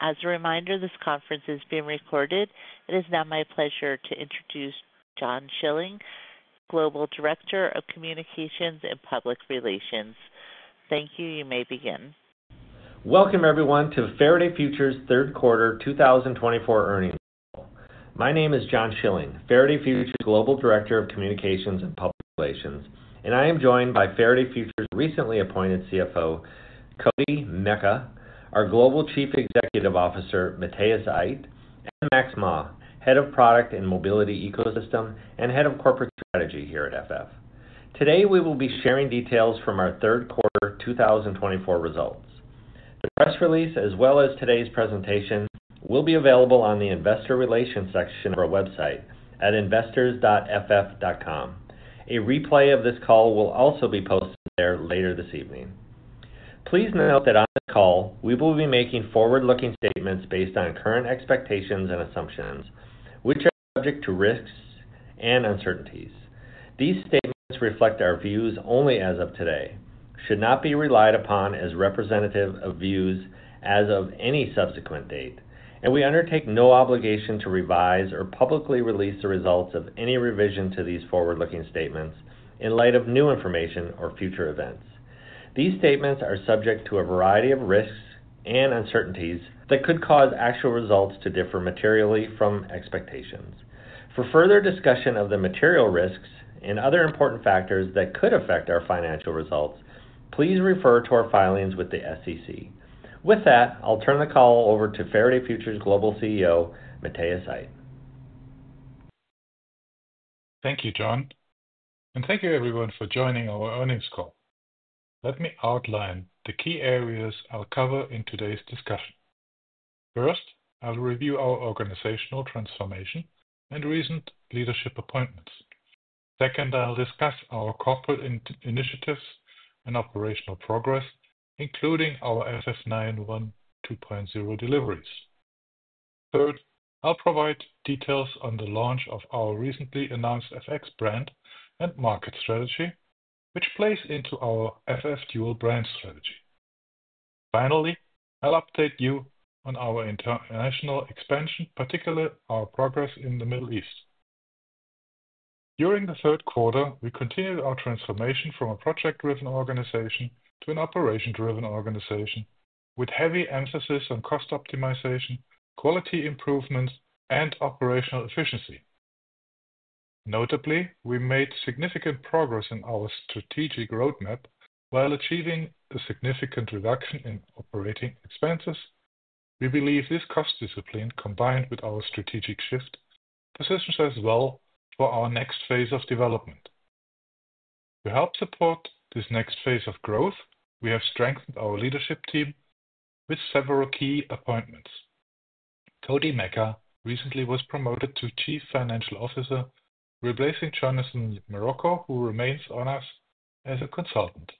As a reminder, this conference is being recorded. It is now my pleasure to introduce John Schilling, Global Director of Communications and Public Relations. Thank you. You may begin. Welcome, everyone, to Faraday Future's third quarter 2024 earnings. My name is John Schilling, Faraday Future's Global Director of Communications and Public Relations, and I am joined by Faraday Future's recently appointed CFO, Koti Meka, our Global Chief Executive Officer, Matthias Aydt, and Max Ma, Head of Product and Mobility Ecosystem and Head of Corporate Strategy here at FF. Today, we will be sharing details from our third quarter 2024 results. The press release, as well as today's presentation, will be available on the Investor Relations section of our website at investors.ff.com. A replay of this call will also be posted there later this evening. Please note that on this call, we will be making forward-looking statements based on current expectations and assumptions, which are subject to risks and uncertainties. These statements reflect our views only as of today, should not be relied upon as representative of views as of any subsequent date, and we undertake no obligation to revise or publicly release the results of any revision to these forward-looking statements in light of new information or future events. These statements are subject to a variety of risks and uncertainties that could cause actual results to differ materially from expectations. For further discussion of the material risks and other important factors that could affect our financial results, please refer to our filings with the SEC. With that, I'll turn the call over to Faraday Future's Global CEO, Matthias Aydt. Thank you, John, and thank you, everyone, for joining our earnings call. Let me outline the key areas I'll cover in today's discussion. First, I'll review our organizational transformation and recent leadership appointments. Second, I'll discuss our corporate initiatives and operational progress, including our FF 91 2.0 deliveries. Third, I'll provide details on the launch of our recently announced FX brand and market strategy, which plays into our FF Dual brand strategy. Finally, I'll update you on our international expansion, particularly our progress in the Middle East. During the third quarter, we continued our transformation from a project-driven organization to an operation-driven organization, with heavy emphasis on cost optimization, quality improvements, and operational efficiency. Notably, we made significant progress in our strategic roadmap while achieving a significant reduction in operating expenses. We believe this cost discipline, combined with our strategic shift, positions us well for our next phase of development. To help support this next phase of growth, we have strengthened our leadership team with several key appointments. Koti Meka recently was promoted to Chief Financial Officer, replacing Jonathan Maroko, who remains on us as a consultant.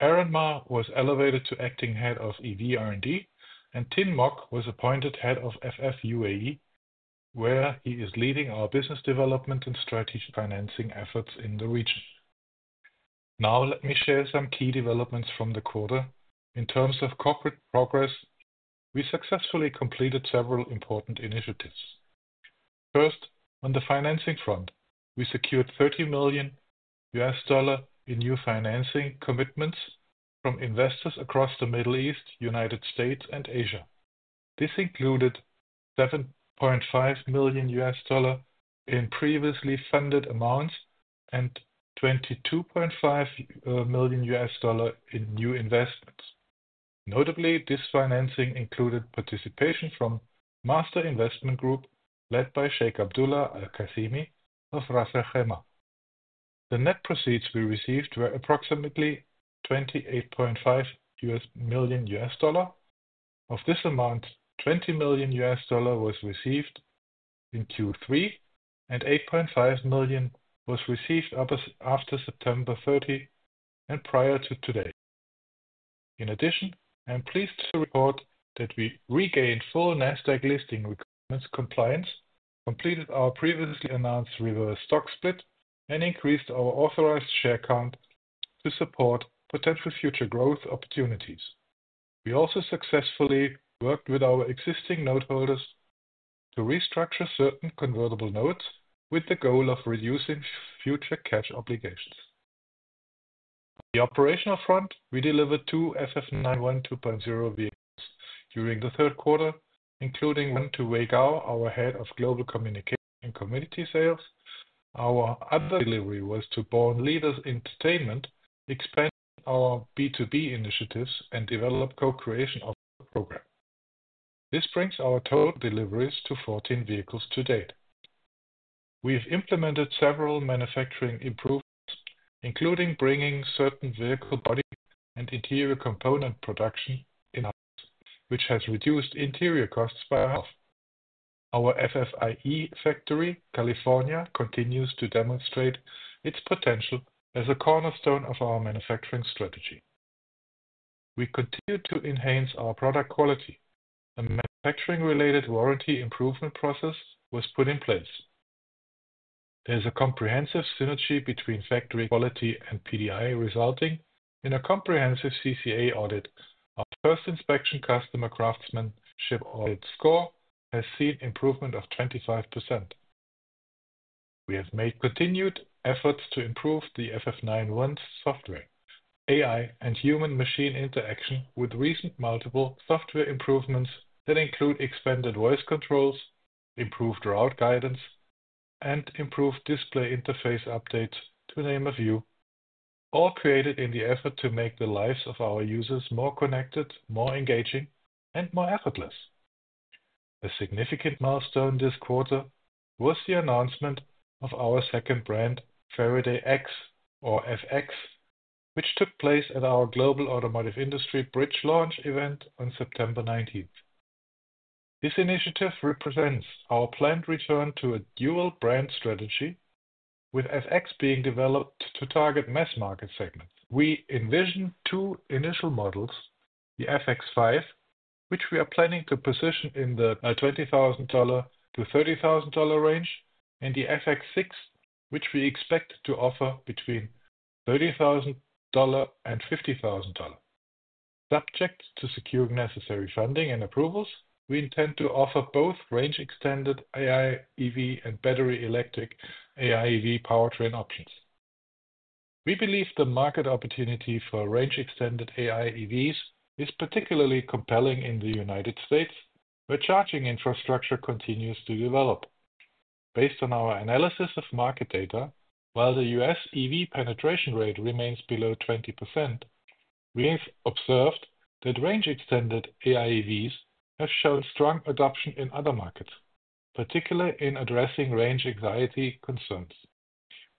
Aaron Ma was elevated to Acting Head of EV R&D, and Tin Mok was appointed Head of FF UAE, where he is leading our business development and strategic financing efforts in the region. Now, let me share some key developments from the quarter. In terms of corporate progress, we successfully completed several important initiatives. First, on the financing front, we secured $30 million in new financing commitments from investors across the Middle East, United States, and Asia. This included $7.5 million in previously funded amounts and $22.5 million in new investments. Notably, this financing included participation from Master Investment Group, led by Sheikh Abdulla Al Qassimi, of Ras Al Khaimah. The net proceeds we received were approximately $28.5 million. Of this amount, $20 million were received in Q3, and $8.5 million was received after September 30 and prior to today. In addition, I'm pleased to report that we regained full Nasdaq listing requirements compliance, completed our previously announced reverse stock split, and increased our authorized share count to support potential future growth opportunities. We also successfully worked with our existing noteholders to restructure certain convertible notes with the goal of reducing future cash obligations. On the operational front, we delivered two FF 91 2.0 vehicles during the third quarter, including one to Wei Gao, our Head of Global Communication and Community Sales. Our other delivery was to Born Leaders Entertainment, expand our B2B initiatives, and develop co-creation of the program. This brings our total deliveries to 14 vehicles to date. We've implemented several manufacturing improvements, including bringing certain vehicle body and interior component production in-house, which has reduced interior costs by half. Our FF ieFactory in California continues to demonstrate its potential as a cornerstone of our manufacturing strategy. We continue to enhance our product quality. A manufacturing-related warranty improvement process was put in place. There's a comprehensive synergy between factory quality and PDI, resulting in a comprehensive CCA audit. Our first inspection Customer Craftsmanship Audit score has seen improvement of 25%. We have made continued efforts to improve the FF 91 software, AI, and human-machine interaction with recent multiple software improvements that include expanded voice controls, improved route guidance, and improved display interface updates, to name a few, all created in the effort to make the lives of our users more connected, more engaging, and more effortless. A significant milestone this quarter was the announcement of our second brand, Faraday X, or FX, which took place at our Global Automotive Industry Bridge launch event on September 19th. This initiative represents our planned return to a dual-brand strategy, with FX being developed to target mass market segments. We envision two initial models, the FX5, which we are planning to position in the $20,000-$30,000 range, and the FX6, which we expect to offer between $30,000 and $50,000. Subject to securing necessary funding and approvals, we intend to offer both range-extended AIEV and battery-electric AIEV powertrain options. We believe the market opportunity for range-extended AIEVs is particularly compelling in the United States, where charging infrastructure continues to develop. Based on our analysis of market data, while the U.S. EV penetration rate remains below 20%, we've observed that range-extended AIEVs have shown strong adoption in other markets, particularly in addressing range anxiety concerns.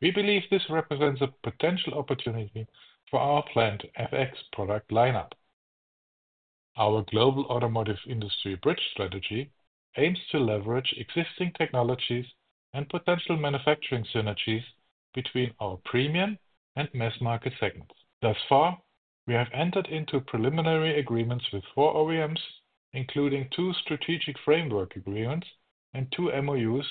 We believe this represents a potential opportunity for our planned FX product lineup. Our Global Automotive Industry Bridge strategy aims to leverage existing technologies and potential manufacturing synergies between our premium and mass market segments. Thus far, we have entered into preliminary agreements with four OEMs, including two strategic framework agreements and two MOUs,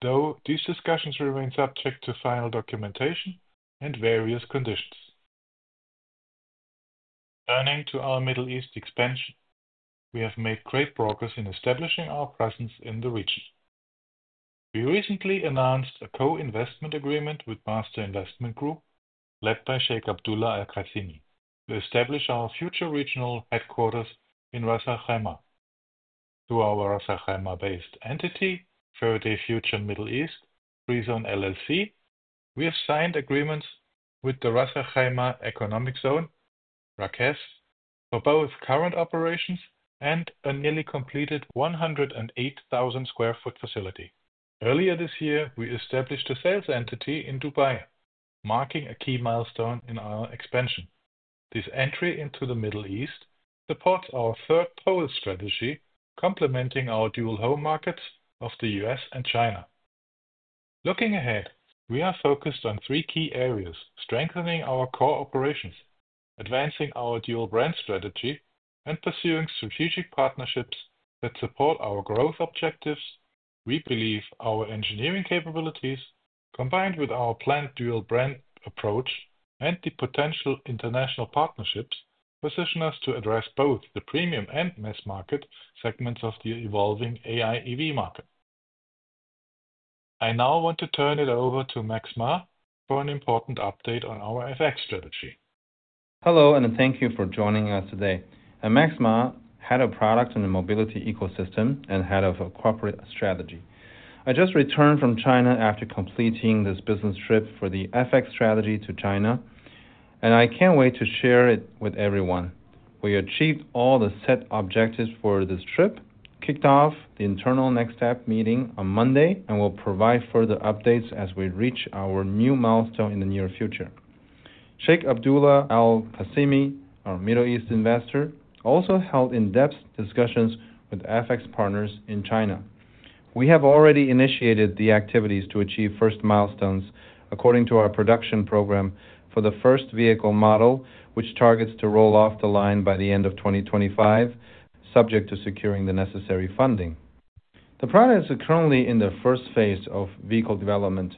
though these discussions remain subject to final documentation and various conditions. Turning to our Middle East expansion, we have made great progress in establishing our presence in the region. We recently announced a co-investment agreement with Master Investment Group, led by Sheikh Abdulla Al Qassimi, to establish our future regional headquarters in Ras Al Khaimah. To our Ras Al Khaimah-based entity, Faraday Future Middle East Free Zone LLC, we have signed agreements with the Ras Al Khaimah Economic Zone, RAKEZ, for both current operations and a nearly completed 108,000 sq ft facility. Earlier this year, we established a sales entity in Dubai, marking a key milestone in our expansion. This entry into the Middle East supports our third pole strategy, complementing our dual home markets of the U.S. and China. Looking ahead, we are focused on three key areas: strengthening our core operations, advancing our dual brand strategy, and pursuing strategic partnerships that support our growth objectives. We believe our engineering capabilities, combined with our planned dual brand approach and the potential international partnerships, position us to address both the premium and mass market segments of the evolving AIEV market. I now want to turn it over to Max Ma for an important update on our FX strategy. Hello, and thank you for joining us today. Max Ma, Head of Product and Mobility Ecosystem and Head of Corporate Strategy. I just returned from China after completing this business trip for the FX strategy to China, and I can't wait to share it with everyone. We achieved all the set objectives for this trip, kicked off the internal next step meeting on Monday, and will provide further updates as we reach our new milestone in the near future. Sheikh Abdulla Al Qassimi, our Middle East investor, also held in-depth discussions with FX partners in China. We have already initiated the activities to achieve first milestones according to our production program for the first vehicle model, which targets to roll off the line by the end of 2025, subject to securing the necessary funding. The product is currently in the first phase of vehicle development,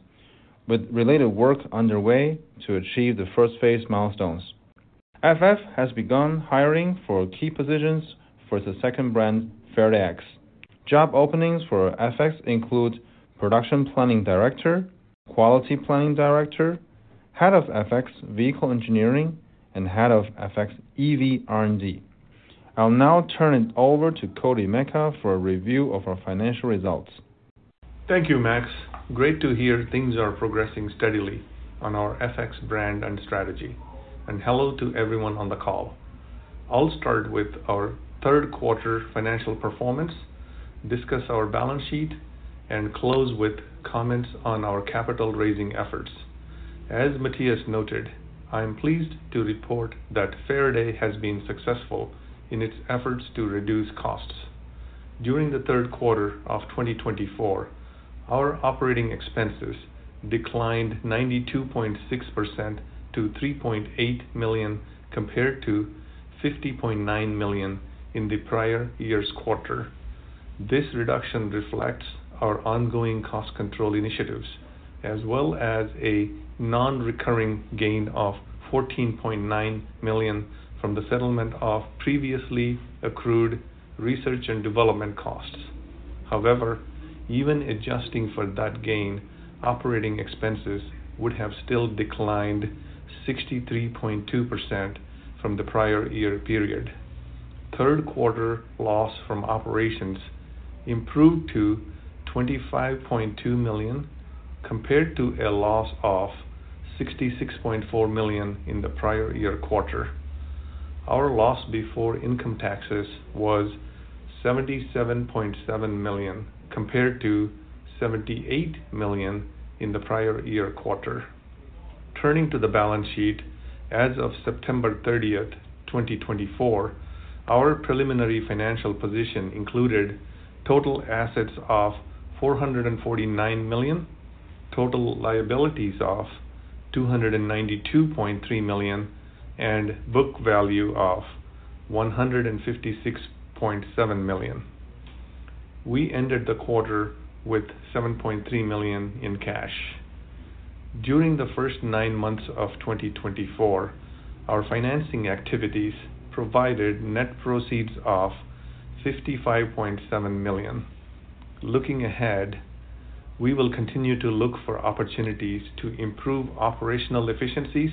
with related work underway to achieve the first phase milestones. FF has begun hiring for key positions for the second brand, Faraday X. Job openings for FX include Production Planning Director, Quality Planning Director, Head of FX Vehicle Engineering, and Head of FX EV R&D. I'll now turn it over to Koti Meka for a review of our financial results. Thank you, Max. Great to hear things are progressing steadily on our FX brand and strategy, and hello to everyone on the call. I'll start with our third quarter financial performance, discuss our balance sheet, and close with comments on our capital raising efforts. As Matthias noted, I'm pleased to report that Faraday has been successful in its efforts to reduce costs. During the third quarter of 2024, our operating expenses declined 92.6% to $3.8 million compared to $50.9 million in the prior year's quarter. This reduction reflects our ongoing cost control initiatives, as well as a non-recurring gain of $14.9 million from the settlement of previously accrued research and development costs. However, even adjusting for that gain, operating expenses would have still declined 63.2% from the prior year period. Third quarter loss from operations improved to $25.2 million compared to a loss of $66.4 million in the prior year quarter. Our loss before income taxes was $77.7 million compared to $78 million in the prior year quarter. Turning to the balance sheet, as of September 30th, 2024, our preliminary financial position included total assets of $449 million, total liabilities of $292.3 million, and book value of $156.7 million. We ended the quarter with $7.3 million in cash. During the first nine months of 2024, our financing activities provided net proceeds of $55.7 million. Looking ahead, we will continue to look for opportunities to improve operational efficiencies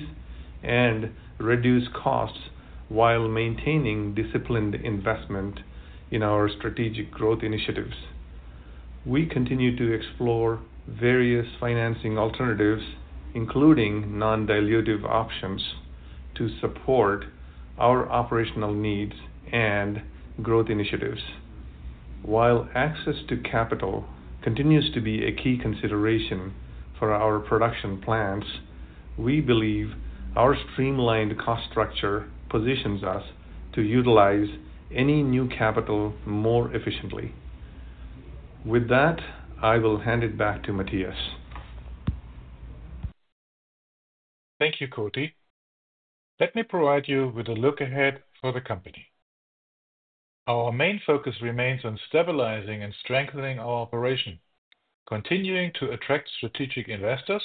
and reduce costs while maintaining disciplined investment in our strategic growth initiatives. We continue to explore various financing alternatives, including non-dilutive options, to support our operational needs and growth initiatives. While access to capital continues to be a key consideration for our production plans, we believe our streamlined cost structure positions us to utilize any new capital more efficiently. With that, I will hand it back to Matthias. Thank you, Koti. Let me provide you with a look ahead for the company. Our main focus remains on stabilizing and strengthening our operation, continuing to attract strategic investors,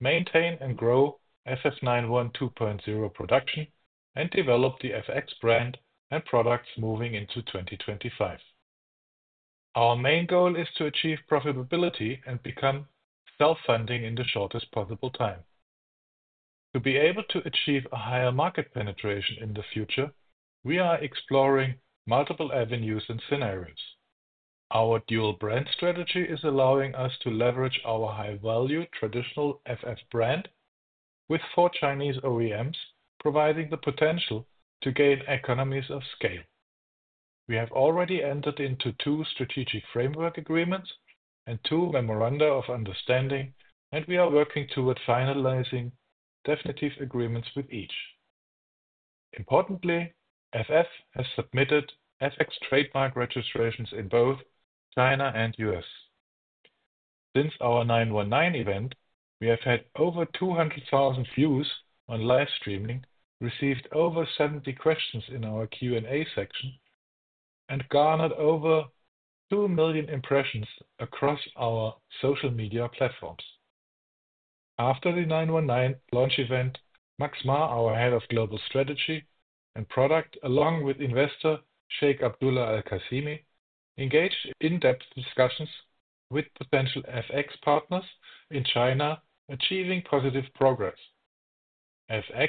maintain and grow FF 91 2.0 production, and develop the FX brand and products moving into 2025. Our main goal is to achieve profitability and become self-funding in the shortest possible time. To be able to achieve a higher market penetration in the future, we are exploring multiple avenues and scenarios. Our dual brand strategy is allowing us to leverage our high-value traditional FF brand with four Chinese OEMs, providing the potential to gain economies of scale. We have already entered into two strategic framework agreements and two memoranda of understanding, and we are working toward finalizing definitive agreements with each. Importantly, FF has submitted FX trademark registrations in both China and U.S. Since our 919 event, we have had over 200,000 views on live streaming, received over 70 questions in our Q&A section, and garnered over 2 million impressions across our social media platforms. After the 919 launch event, Max Ma, our Head of Global Strategy and Product, along with investor Sheikh Abdulla Al Qassimi, engaged in in-depth discussions with potential FX partners in China, achieving positive progress. FX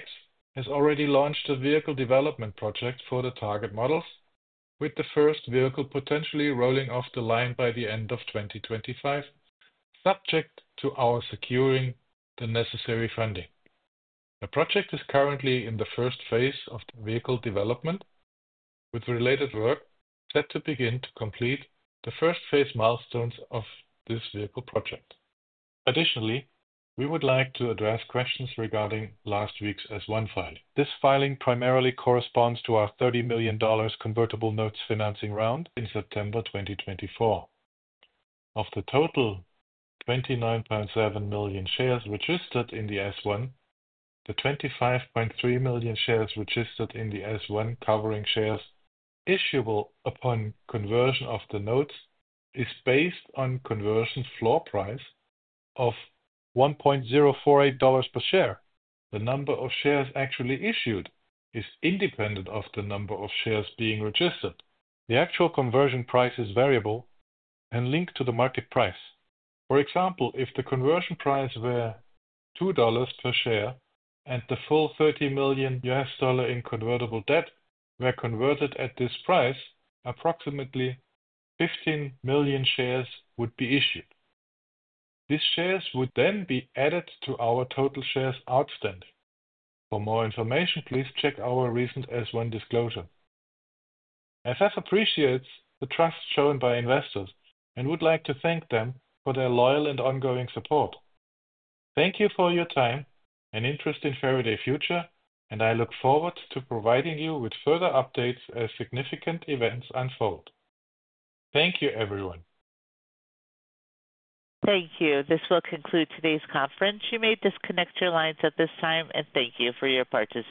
has already launched a vehicle development project for the target models, with the first vehicle potentially rolling off the line by the end of 2025, subject to our securing the necessary funding. The project is currently in the first phase of vehicle development, with related work set to begin to complete the first phase milestones of this vehicle project. Additionally, we would like to address questions regarding last week's S-1 filing. This filing primarily corresponds to our $30 million convertible notes financing round in September 2024. Of the total 29.7 million shares registered in the S-1, the 25.3 million shares registered in the S-1 covering shares issuable upon conversion of the notes is based on conversion floor price of $1.048 per share. The number of shares actually issued is independent of the number of shares being registered. The actual conversion price is variable and linked to the market price. For example, if the conversion price were $2 per share and the full $30 million in convertible debt were converted at this price, approximately 15 million shares would be issued. These shares would then be added to our total shares outstanding. For more information, please check our recent S-1 disclosure. FF appreciates the trust shown by investors and would like to thank them for their loyal and ongoing support. Thank you for your time and interest in Faraday Future, and I look forward to providing you with further updates as significant events unfold. Thank you, everyone. Thank you. This will conclude today's conference. You may disconnect your lines at this time, and thank you for your participation.